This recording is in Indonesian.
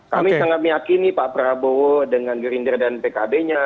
kami sangat meyakini pak prabowo dengan gerindra dan pkb nya